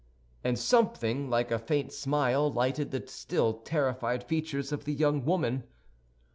And something like a faint smile lighted the still terrified features of the young woman.